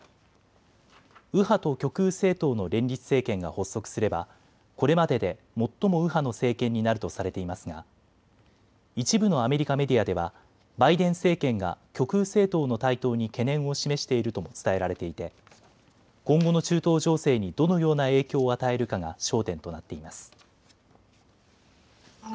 右派と極右政党の連立政権が発足すればこれまでで最も右派の政権になるとされていますが一部のアメリカメディアではバイデン政権が極右政党の台頭に懸念を示しているとも伝えられていて今後の中東情勢にどのような影響を与えるかが焦点となっています。